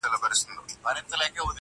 o بیا خرڅ کړئ شاه شجاع یم پر پردیو.